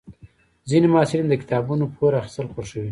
ځینې محصلین د کتابونو پور اخیستل خوښوي.